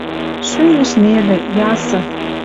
Шӱмеш нелӹ, ясы